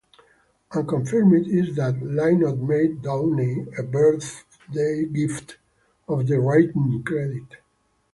Unconfirmed is that Lynott made Downey a birthday gift of the writing credit.